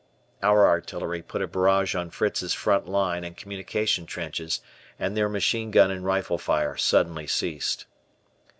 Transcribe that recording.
Our artillery put a barrage on Fritz's front line and communication trenches and their machine gun and rifle fire suddenly ceased.